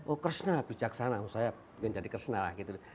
oh krisna bijaksana saya menjadi krisna lah gitu